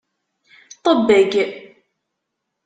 Ṭebbeg!